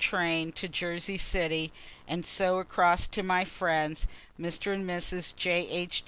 train to Jersey City, and so across and to my friends, Mr. and Mrs. J. H.